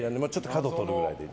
角を取るくらいで。